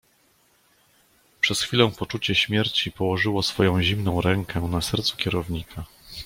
"Przez chwilę poczucie śmierci położyło swoją zimną rękę na sercu kierownika."